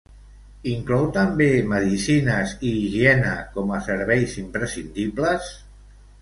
Inclou també medicines i higiene com a serveis imprescindibles?